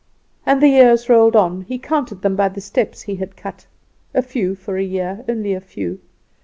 "And the years rolled on; he counted them by the steps he had cut a few for a year only a few.